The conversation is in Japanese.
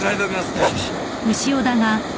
よしよし